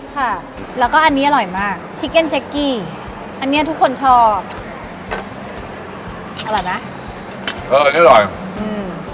ค่ะแล้วก็อันนี้อร่อยมากอันนี้ทุกคนชอบอร่อยไหมอร่อยนี่อร่อยอืม